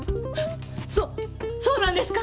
そっそうなんですか？